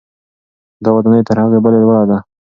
دا ودانۍ تر هغې بلې لوړه ده.